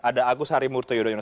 ada agus harimurti yudhoyono